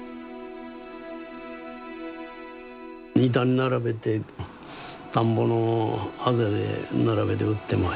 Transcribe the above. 板に並べて田んぼのあぜで並べて売ってました。